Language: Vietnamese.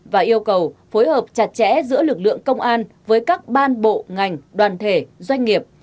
và yêu cầu phối hợp chặt chẽ giữa lực lượng công an với các ban bộ ngành đoàn thể doanh nghiệp